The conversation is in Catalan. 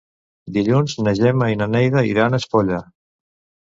Dilluns na Gemma i na Neida iran a Espolla.